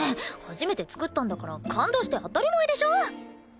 初めて作ったんだから感動して当たり前でしょ！